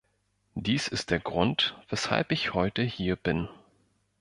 Dies ist der Grund, weshalb ich heute hier bin.